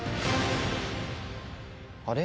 あれ？